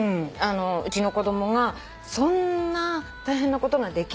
うちの子供がそんな大変なことができるのかなって。